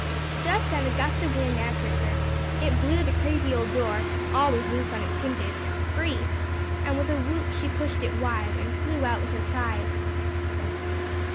Just then a gust of wind answered her. It blew the crazy old door, always loose on its hinges, free, and with a whoop she pushed it wide, and flew out with her prize.